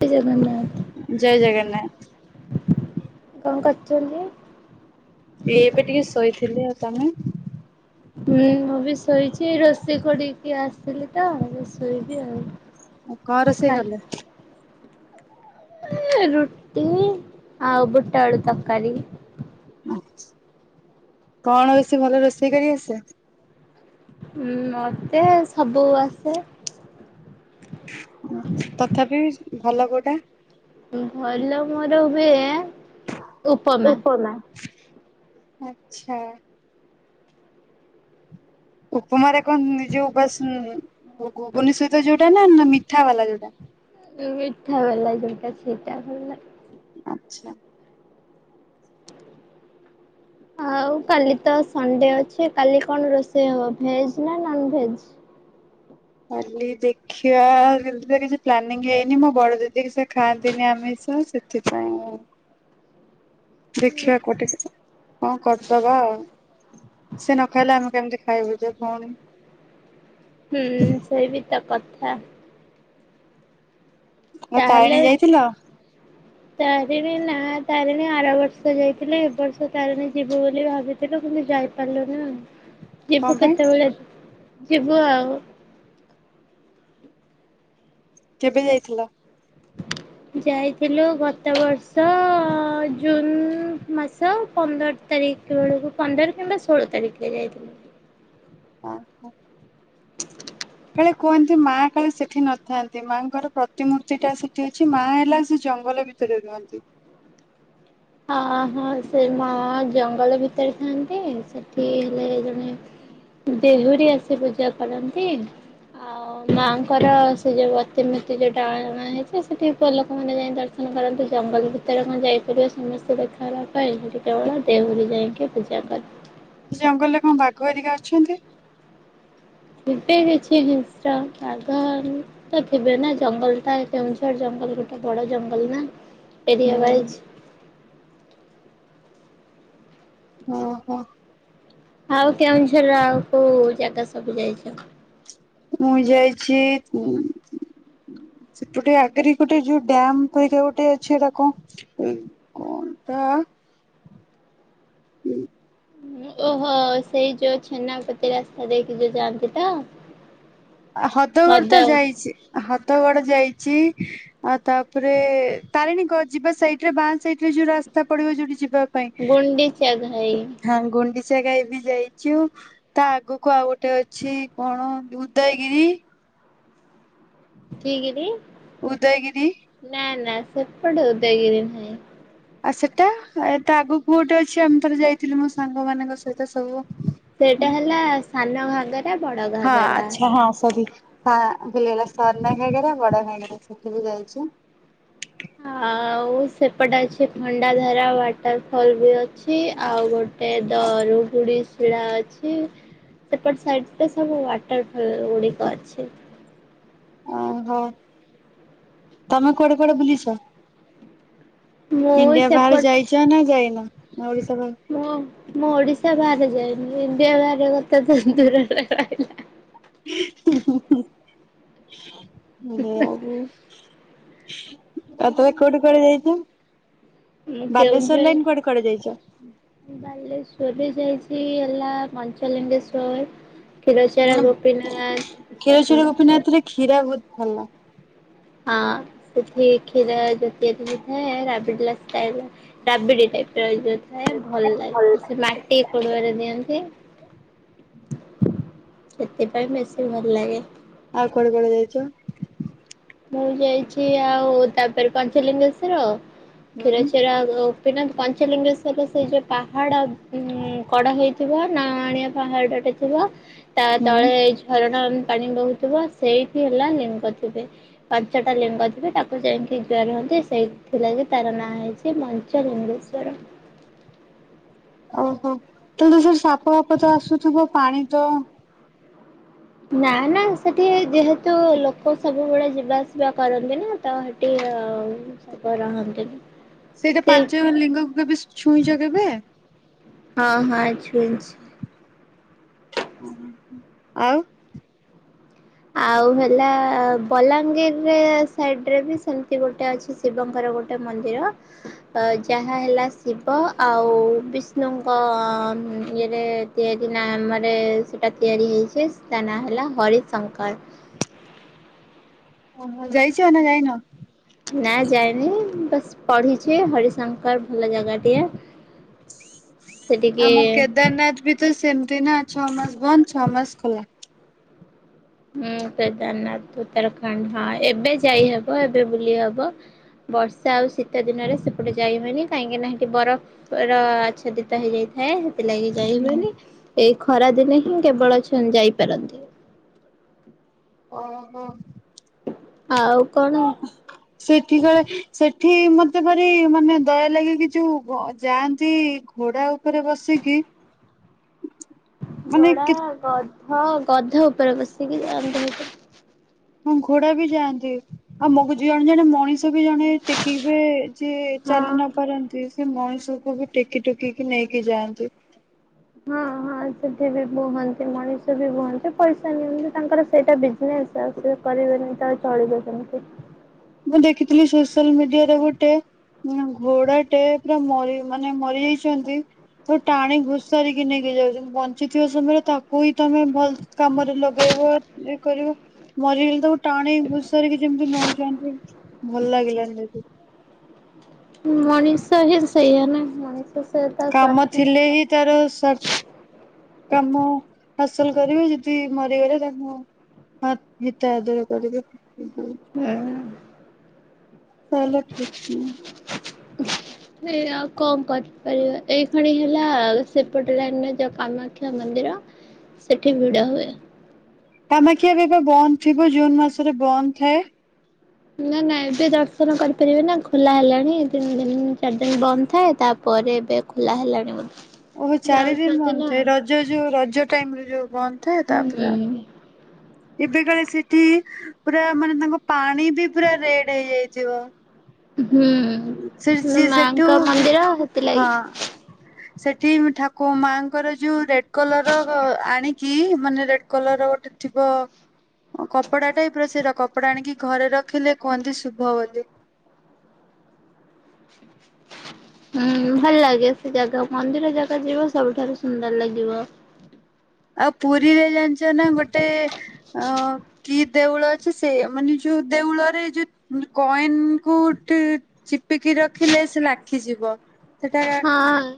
ଶ୍ରୀ ଜଗନ୍ନାଥ ଜୟ ଜଗନ୍ନାଥ। କଣ କରିଛନ୍ତି। ଏ ଏବେ ଟିକେ ଶୋଇଥିଲି ଆଉ ତମେ? ହୁଁ ଅବ ଶୋଇଛି ରୋଷେଇ କରିକି ଆସ ଆସିଲି ତ ଆଉ ଶୋଇବି ଆଉ ଓ କ ର ସେେଇ ଖାଇ କଲେ ରୁଟି ଆଉ ବୁଟଆଳୁ ତରକାରୀ। କଣ ବେଶୀ ଭଲ ରୋଷେଇ କରି ଆସେ। ଉଁ ମତେ ସବୁ ଆସେ। ତଥାପି ଭଲ କୋଉଟା? ଭଲ ମୋର ହୁଏ ଉପମା ଆଚ୍ଛା। ଉପମାରେ କଣ ନି ଯୋଉ ଉପସ ଗୁଗୁନି ସହିତ ଯୋଉଟା ନା ମିଠା ବାଲା ଯୋଉଟା? ମିଠା ବାଲା ଯେଉଟା ସେଇଟା ଭଲ ଲାଗେ। ଆଚ୍ଛା। ଆଉ କାଲି ତ ସଣ୍ଡେ ଅଛି କାଲି କଣ ରୋଷେଇ ହବ ଭେଜ ନା ନନ୍ ଭେଜ? କାଲି ଦେଖିବା କିଛି ପ୍ଲାନିଂ ହେଇନି ମୋ ବଡ ଦି [unintelligible] ଖାଆନ୍ତିନି ଆମିଷ। ସେଥିପାଇଁ ଦେଖିବା କୋଠି କଣ କରିଦବା ଆଉ। ସେ ନ ଖାଇଲେ ଆମେ କେମିତି ଖାଇବୁ ଯେ ଭଉଣି? ହୁଁ ସେଇ ବି ତ କଥା ହଁ ମୋ ତାରିଣୀ ତାହେଲେ ଯାଇଥିଲ? ତାରିଣୀ ନା ତାରିଣୀ ଆର ବର୍ଷ ଯାଇଥିଲି ଏ ବର୍ଷ ତାରିଣୀ ଯିବୁ ବୋଲି ଭାବିଥିଲୁ କିନ୍ତୁ ଯାଇପାରିଲୁନି। ଯିବୁ କଣ ପାଇଁ? କେତେବେଳେ। ଯିବୁ ଆଉ। କେବେ ଯାଇଥିଲ? ଯାଇଥିଲୁ ଗତ ବର୍ଷ ଜୁନ ମାସ ପନ୍ଦର ତାରିଖ ବେଳକୁ ପନ୍ଦର କିମ୍ବା ଷୋହଳ ତାରିଖରେ ଯାଇଥିଲୁ। ହ ହୋ କାଳେ କୁହନ୍ତି ମା କାଳେ ସେଠି ନଥାନ୍ତି ମାଆଙ୍କର ପ୍ରତିମୂର୍ତ୍ତି ଟା ସେଠି ଅଛି ମା ହେଲା ସେ ଜଙ୍ଗଲ ଭିତରେ ରୁହନ୍ତି। ହଁ ହଁ ସେ ମା ଜଙ୍ଗଲ ଭିତରେ ଥାଆନ୍ତି ସେଠି ହେଲେ ଜଣେ ଦେହୁରୀ ଆସି ପୂଜା କରନ୍ତି ଆଉ ମାଆଙ୍କର ସେ ଯୋଉ ଅତିମୂର୍ତ୍ତି ଯୋଉଟା ଅଣା ହେଇଛି ସେଠି ପୁଅ ଲୋକମାନେ ଯାଇ ଦର୍ଶନ କରନ୍ତି ଜଙ୍ଗଲ ଭିତରେ କଣ ଯାଇପାରିବ ସମସ୍ତେ ଦେଖା ହେବା ପାଇଁ ସେଠି କେବଳ ଦେହୁରି ଯାଇକି ପୂଜା କରେ। ସେ ଜଙ୍ଗଲରେ କଣ ବାଘ ଏରିକା ଅଛନ୍ତି? ଥିବେ କିଛି ହିଂସ୍ର। ଆଗର ଥିବେ ନା ଜଙ୍ଗଲ ଟା କେଉଁଝର ଜଙ୍ଗଲ ଗୋଟେ ବଡ ଜଙ୍ଗଲ ନା। ହୁଁ। ଏରିଆୱାଇଜ୍। ହଁ ହଁ। ଆଉ କେଉଁଝର ଆଉ କୋଉ ଜାଗା ସବୁ ଯାଇଛ? ମୁଇଁ ଯାଇଛି ସେପଟେ ଆଗରେ କୋଟେ ଯୋଉ ଡ୍ୟାମ୍ କହି କା ଗୋଟେ ଅଛି ଏଟା କ କଣ ତ? ହୁଁ ଓହୋ ସେଇ ଯୋଉ ଛେନାପତି ରାସ୍ତା ଦେଇକି ଯୋଉ ଯାଆନ୍ତି ତ? ହଦଗଡ ତ ହ୍ରଦ ଯାଇଚି ହଦଗଡ ଯାଇଚି। ଆଉ ତାପରେ ତାରିଣୀ କ ଯିବା ସାଇଟ୍ ରେ ବାଁ ସାଇଡ ରେ ଯୋଉ ରାସ୍ତା ପଡିବ ଯୋଉଠି ଯି ଗୁଣ୍ଡିଚା ଘାଇ ହଁ ଗୁଣ୍ଡି ଚା ଘାଇ ବି ଯାଇଚୁ ତା ଆଗକୁ ଆଉ ଗୋଟେ ଅଛି କଣ ଉଦୟଗିରି? କିଏ ଗିରି? ଉଦୟଗିରି। ସେପଟେ ଉଦୟଗିରି ନୁହେଁ। ଆଉ ସେଟା ତା ଆଗକୁ ଗୋଟେ ଅଛି ଆମେ ଥରେ ଯାଇଥିଲୁ ମୋ ସାଙ୍ଗ ମାନଙ୍କ ସହିତ ସବୁ। ସେଇଟା ହେଲା ସାନଘାଗରା। ହଁ ଆଛା ହଁ ସରି। ହଁ ଭୁଲ୍ ହେଇଗଲା ସାନଘାଗେରା ବଡ ଘାଗେରା ସେଠି ବି ଯାଇଚୁ। ଆଉ ସେପଟେ ଅଛି ଖଣ୍ଡା ଧାରା ୱାଟର ଫଲ ବି ଅଛି ଆଉ ଗୋଟେ ଦରୁଗୁଡି ଶିଳା ଅଛି ସେପଟ ସାଇଡ ସବୁ ୱାଟର ଫଲ ଗୁଡିକ ଅଛି। ଓହୋ ତମେ କୁଆଡେ କୁଆଡେ ବୁଲିଚ? ମୁଁ ଇଣ୍ଡିଆ ବାହାରେ ସେପଟ ଯାଇଚ ନା ଯାଇନ? [unintelligible] ମୁଁ ମୋ ଓଡିଶା ବାହାରେ ଯାଇନି ଇଣ୍ଡିଆ ବହାରେ କଥା ତ ଦୂର ରେ ରହିଲା। [unintelligible] ଜ [unintelligible] ହ ଆଉ ତମେ କୋଉଠି କୁଆଡେ ଯାଇଚ? ମୁଁ ବାଲେଶ୍ଵର କେଉଁଝର ଲାଇନ କୁଆଡେ କୁଆଡେ ଯାଇଚ? ଏଲା ମଞ୍ଚଲିଙ୍ଗେଶ୍ଵର ହଁ ହଁ କ୍ଷୀରଚୋରା ଗୋପୀନାଥ ରେ କ୍ଷୀରା ବ ଭଲ। ହଁ ସେଠି କ୍ଷୀର ଜାତୀୟ ମିଳିଥାଏ ରାବିଡି ଲସ୍ ରାବିଡି ଟାଇପି ଭଲ ଲାଗେ ସେ ମାଟି ପୁରୁଆରେ ଦିଅନ୍ତି। ସେଥିପାଇଁ ବେଶୀ ଭଲ ଲାଗେ। ଆଉ କୁଆଡେ କୁଆଡେ ଯାଇଚ? ମୁଁ ଯାଇଛି ଆଉ ତାପରେ ପାଞ୍ଚ ଲିଙ୍ଗେଶ୍ୱର ହୁଁ କ୍ଷୀରଚୋରା ପିନା ପଞ୍ଚେଲିଙ୍ଗେଶ୍ ସେଜୋ ସେଇ ଯୋଉ ପାହାଡ ହୁଁ କଡା ହେଇଥିବା। ନଆଁଣିଆ ପାହାଡ଼ଟେ ଥିବ ତା ହୁଁ। ତଳେ ଏଇ ଝରଣା ପାଣି ବହୁଥିବ ସେଇଠି ହେଲା ଲିମ୍ ଗଛଟେ ପାଞ୍ଚଟା ଲିଙ୍ଗ ଥିବେ ତାକୁ ଯାଇକି ଜା ରୁହନ୍ତି ସେଇଥିଲାଗି ତାର ନାଁ ହେଇଛି ମଞ୍ଚ ଲିଙ୍ଗେଶ୍ଵର ଓହୋ ତାହଲେ ସେ ସାପ ବାପ ତ ଆସୁଥିବ ପାଣି ତ ନା ନା ସେଠି ଯେହେତୁ ଲୋକ ସବୁବେଳେ ଯିବାସିବା କରନ୍ତି ନା ତ ସେଠି ସେଇଟା ପାଞ୍ଚ ଲିଙ୍ଗକୁ କେ ବି ଛୁଇଁ କେବେ ହଁ ହଁଛୁଛ। ଆଉ ଆଉ ହେଲା ବଲାଙ୍ଗୀର ସାଇଡ ରେ ବି ସେମିତି ଗୋଟେ ଅଛି ଶିବଙ୍କର ଗୋଟେ ମନ୍ଦିର ଅ ଯାହା ହେଲା ଶିବ ଆଉ ବିଷ୍ଣୁଙ୍କ ଇଏରେ ତିଆରି ନାମରେ ସେଇଟା ତିଆରି ହୋଇଇଛି ତା ନାଁ ହେଲା ହରି ସଂଙ୍କଳ ଓୋ ଯାଇଛି ଆ ନା ଯାଇନ ନା ଯାଇନି ବସ ପଢିଛି ହରିଶଙ୍କର ଭଲ ଜାଗାଟିଏ ଆମ ସେଠିକି କେଦାରନାଥ ବି ତ ସେମିତି ନା ଛଅ ମାସ ବନ୍ଦ ଛଅ ମାସ କଲା ହୁଁ କେଦାରନାଥ ଉତ୍ତରାଖଣ୍ଡ ହଁ ଏବେ ଯାଇହବ ଏବେ ବୁଲି ହବ ବର୍ଷା ଆଉ ଶୀତ ଦିନରେ ସେପଟେ ଯାଇ ହଏନି କାହିଁକି ନାଠି ବରଫ ର ଆଚ୍ଛାଦିତ ହେଇଯାଇଥାଏ। ଲାଗି ଯାଇିବନି ଏଇ ଖରାଦିନେ ହିଁ କେବଳ ଅ ଯାଇପାରନ୍ତି। ହ। ଓ ହୋ। ଆଉ କଣ? ସେଠି କଳେ ସେଠି ମତେ ଭାର ମାନେ ଦୟା ଲାଗ କିି ଯୋଉ ଯାଆନ୍ତି ଘୋଡା ଉପରେ ବସିକି ମାନେ ଘୋଡା କେତେ ଗଧ ଗଧ ଉପ ବସି ଆ ମୁଁ ଘୋଡା ବି ଯାଆନ୍ତି ଆଉ ମୁକୁ ଜଣେ ଜଣେ ମଣିଷ ତ ବି ଜଣେ ଟେକିବଏ ଯିଏ ଚାଲି ନ ପାରନ୍ତି ସେ ମଣିଷ କୁ ବି ଟେକି ଟୁକିକି ନେଇକି ଯାଆନ୍ତି। ହଁ ହଁ ସେଠି ବି ବୁହନ୍ତି ମଣିଷ ବି ବୁହନ୍ତି, ପଇସା ନିଅନ୍ତି ତାଙ୍କର ସେଇଟା ବିଜନେସ ଆଉ ସେ କରିବେନି ତ ଚଳିବେ କେମିତି? ମୁଁ ଦେଖିଥିଲି ସୋସିଆଲ ମିଡିଆରେ ଗୋଟେ ଟେ ଘୋଡାଟେ ପୁରା ମ ମାନେ ମରିଯାଇଛନ୍ତି ଟାଣି ଘୁସାରିକି ନେଇକି ଯାଉଛନ୍ତି ବଞ୍ଚିଥିବା ସମୟରେ ତାକୁ ହିଁ ତମେ ଭଲ କାମରେ ଲଗେଇବ ଇଏ କରିବ ମରିଗଲେ ତ ଗ ଟାଣି ଭୁଷାରିକି ଯେମିତି ନଉଚନ୍ତି। ଭଲ ଲାଗିଲାନି। ଆ ମଣିଷ ହେ ସେଇଆ ନା ମଣିଷ। ସେ ତା କାମ ସ୍ୱାର୍ଥ ଥିଲେ ହିଁ ତାର ସ୍ୱାର କାମ ହାସଲ କରିବେ, ଯଦି ମରିଗଲେ ତାଙ୍କୁ ମା ହିତ ଆଦର କରିବେ। ହୁଁ। ଚାଲ ଠିକ ଏ ଆଉ କଣ କରିପାରିବା। ଏଇ ଖଣି ହେଲା ସେପଟରେ ଯଉ କାମାକ୍ଷା ମନ୍ଦିର ସେଠି ଭିଡ ହୁଏ। କାମାକ୍ଷା ଏବେ ଏବେ ବନ୍ଦ ଥିବ। ଜୁନ୍ ମାସରେ ବନ୍ଦ ଥାଏ। ନା ନା ଏବେ ଦର୍ଶନ କରିପାରିବେ ନା ଖୋଲା ହେଲାଣି ତିନି ଦିନ ଚାରି ଦିନ ବନ୍ଦ ଥାଏ ତାପରେ ଏବେ ଖୋଲା ହେଲାଣି ବୋଧେ। ଓହୋ ଚାରି ଦିନ ଯାଉଛନ୍ତି ବନ୍ଦ ନା। ଥାଏ, ରଜ ଯୋଉ ରଜ ଟାଇମରେ ଯୋଉ ବନ୍ଦ ଥାଏ ତା ହୁଁ ପରେ। ଏବେ କଳେ ସେଠି ପୁରା ମାନେ ତାଙ୍କ ପାଣି ପୁର ରେଡ ହେଇଯାଇଥିବ। ସେ ହୁଁ ସିଏ ସେଠୁ ମାଙ୍କ ମନ୍ଦିର ହେଥିଲାଗି ହଁ। ସେଠି ଠାକୁ ମାଙ୍କର ଯୋଉ ରେ କଲର ଆଣି କି ମାନେ ରେଡ କଲର ର ଗୋଟେ ଥିବ କପଡା ଟାଇପ ର ସେଟା କପଡା ଆଣିକି ଘରେ ରଖିଲେ କୁହନ୍ତି ଶୁଭ ବୋଲି। ହୁଁ ଭଲ ଲାଗେ ସେ ଜାଗା ମନ୍ଦିର ଜାଗା ଯିବ ସବୁଠାରୁ ସୁନ୍ଦର ଲାଗିବ। ଆଉ ପୁରୀରେ ଜାଣିଛ ନା ଗୋଟେ ଅ କି ଦେଉଳ ଅଛି ସେ ମାନେ ଯୋଉ ଦେଉଳରେ ଯୋଉ କଏନ କୁ ତୁ ଚିପିକି ରଖିଲେ ସେ ଲାଖିଯିବ। ସେଟା ହଁ।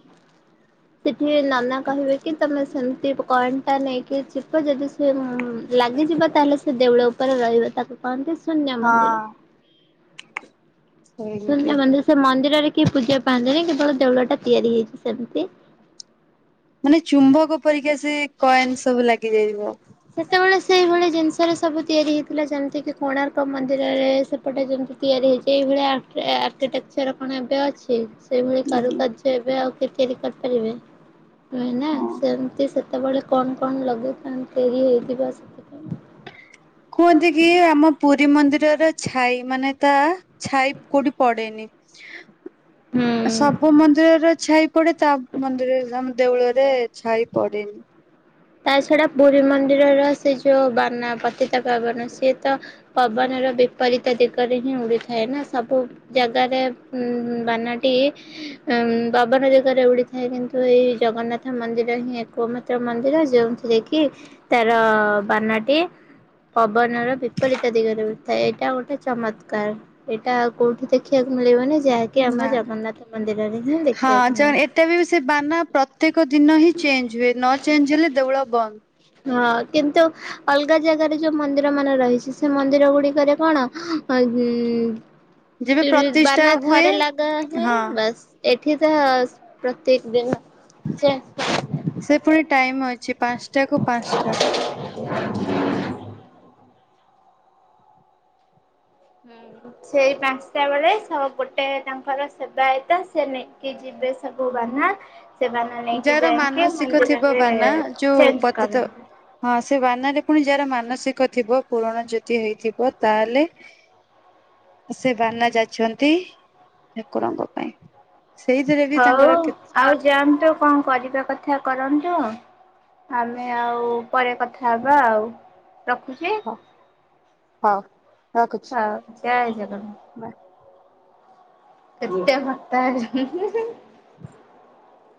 ସେଠି ନାନା କହିବେ। କି ତମେ ସେମତି କଏନ ତା ନେଇକି ଚିପ ଯଦି ସେ ଲାଗିଯିବ ତାହେଲେ ସେ ଦେଉଳ ଉପରେ ରହିବ ତାକୁ କହନ୍ତି ସୁନ୍ୟ ହଁ ମନ୍ଦିର। ସେମିତି। ଶୂନ୍ୟ ମନ୍ଦି ସେ ମନ୍ଦର ରେ କି ପୂଜା ପାନ୍ତିନି। କେବଳ ଦଉଳ ଟା ତିଆରି ହେଇଚି ସେମିତି। ମାନେ ଚୁମ୍ବକ ପରିକା କଏନ୍ ସବୁ ଲାଗିଯାଇବ। ସେତେବେଳେ ସେଇଭଳି ଜିନିଷରେ ସବୁ ତିଆରି ହେଇଥିଲା ଯେମିତିକି କୋଣାର୍କ ମନ୍ଦିରରେ ସେପଟେ ଯେମିତି ତିଆରି ହେଇଚି ଏଇଭଳିଆ ଆର୍କିଟେକ୍ଚର କଣ ଏବେ ଅଛି? ସେଇଭଳି କାରୁକାର୍ଯ୍ୟ ଏବେ ଆଉ ତିଆରି କରିପାରିବେ। ହୁଁ ନା ହଁ। ସେମତି ସେ ସେତେବେଳେ କଣ କଣ ଲଗେଇଥାନ୍ତି ତିରି ହେଇଥିବା ସେ କୁହନ୍ତି କି ଆମ ପୁରୀ ମନ୍ଦିର ର ର ଛାଇ ମାନେ ତା ଛାଇ କୋଉଠି ପଡେନି। [inaudible] ହୁଁ। ସବୁ ମନ୍ଦିରର ଛାଇ ପଡେ ତା ମନ୍ଦିରରେ ଆମ ଦେଉଳ ରେ ଯେ ଛାଇ ପଡ଼େନି। ତା ଛଡା ପୁରୀ ମନ୍ଦିରର ସେ ଯୋଉ ବାନା ପତିତା ପବନ ସିଏ ତ ପବନର ବିପରୀତ ଦିଗରେ ହିଁ ଉଡିଥାଏ। ନା ସବୁ ଜାଗାରେ ଉଁ ବାନାଟି ଉଁ ପବନ ଦିଗରେ ଉଡିଥାଏ କିନ୍ତୁ ଏଇ ଜଗନ୍ନାଥ ମନ୍ଦିର ହିଁ ଏକମାତ୍ର ମନ୍ଦିର ଯେ ଯୋଉଥିରେ କି ତାର ବାନାଟି ପବନର ବିପରୀତ ଦିଗରେ ଉଡ଼ିଥାଏ। ଏଇଟା ଗୋଟେ ଚମତ୍କାର ଏଟା ଆଉ କୋଉଠି ଦେଖିବାକୁ। ମିଳିବନି ଯାହାକି ଆମ ନା ଜଗନ୍ନାଥ ମନ୍ଦିରରେ ହିଁ ହଁ ଦେଖିବାକୁ ଚ ମିଳେ। ଏତେ ବି ବି ସେ ବାନା ପ୍ରତ୍ୟେକ ଦିନ ହିଁ ଚେଞ୍ଜ ହୁଏ ନ ଚେଞ୍ଜ ହେଲେ ଦେଉଳ ବନ୍ଦ। ହଁ କିନ୍ତୁ ଅଲଗା ଜାଗାରେ ଯୋଉ ମନ୍ଦିର ମାନ ରହିଛି ସେ ମନ୍ଦିର ଗୁଡିକରେ କଣ [unintelligible] ଯେବେ ଟିରେ ପ୍ରତିଷ୍ଠା ବାନା ହୁଏ ଥରେ ଲଗା ହୁଏ ହଁ ବାସ୍। ଏଠି ତ ପ୍ରତ୍ୟେକ ଦିନ ଯେ ସେ ପୁଣି ଟାଇମ ଅଛି ପାଞ୍ଚଟା କୁ ପାଞ୍ଚ [unintelligible] [inaudible] ହୁଁ ସେଇ ପାଞ୍ଚଟା ବେଳେ ସ ଗୋଟେ ତାଙ୍କର ସେବାୟତ ସେ ନେଇକି ଯିବେ ସବୁ ବାନା ସେ ବାନା ନେଇକି ଯାର ଯାଇକି ମାନସିକ ଥିବ ମନ୍ଦିରରେ ବାନା ଯୋଉ ଚେଞ୍ଜ ପତିତ କରନ୍ତି ହଁ ସେ ବାନା ରେ ପୁଣି ଯାର ମାନସିକ ଥିବ ପୂରଣ ଯଦି ହେଇଥିବ ତାହେଲେ ସେ ବାନା ଯାଛନ୍ତି ଠାକୁରଙ୍କ ପାଇଁ। ସେଇଥିରେ ବି ହଉ ତାଙ୍କର କେତେ ଆଉ ଯାନ୍ତୁ। କଣ କରିବା କଥା କରନ୍ତୁ ଆମେ ଆଉ ପରେ କଥା ହବା ଆଉ ରଖୁଚି ହଉ ରଖୁଛି। ହଉ ଜୟ ଜଗନ୍ନାଥ। କେତେ [unintelligible]